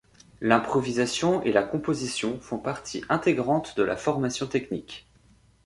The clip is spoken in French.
L'improvisation et la composition font partie intégrante de la formation technique.